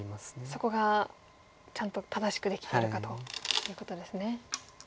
そこがちゃんと正しくできてるかということですね。